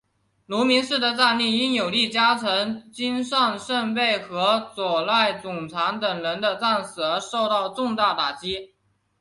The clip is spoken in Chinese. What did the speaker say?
芦名氏的战力因有力家臣金上盛备和佐濑种常等人的战死而受到重大打击。